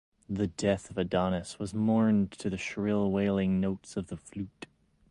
The death of Adonis was mourned to the shrill wailing notes of the flute.